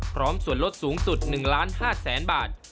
พร้อมส่วนลดสูงสุด๑๕๐๐๐๐๐บาท